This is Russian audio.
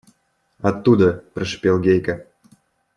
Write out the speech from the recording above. – Оттуда, – прошипел Гейка.